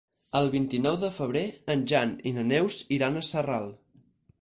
El vint-i-nou de febrer en Jan i na Neus iran a Sarral.